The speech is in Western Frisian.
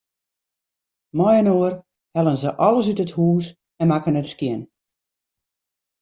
Mei-inoar hellen se alles út it hús en makken it skjin.